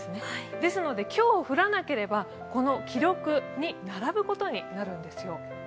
ですので今日降らなければ、この記録に並ぶことになるんですよ。